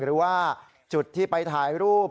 หรือว่าจุดที่ไปถ่ายรูป